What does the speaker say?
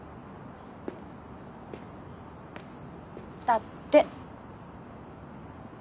だって。